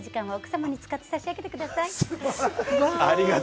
空いた時間は奥様に使って差し上げてください。